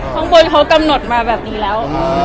ข้างบนเขากำหนดมาแบบนี้แล้ว